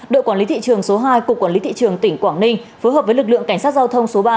đội quản lý thị trường số hai cục quản lý thị trường tỉnh quảng ninh phối hợp với lực lượng cảnh sát giao thông số ba